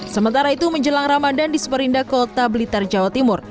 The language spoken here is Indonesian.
sementara itu menjelang ramadhan disperindak kota blitar jawa timur